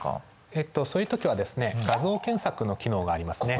えっとそういう時はですね「画像検索」の機能がありますね。